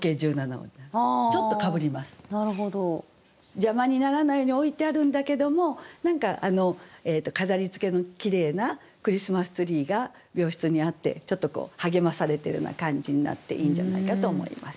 邪魔にならないように置いてあるんだけども何か飾りつけのきれいなクリスマスツリーが病室にあってちょっとこう励まされてるような感じになっていいんじゃないかと思います。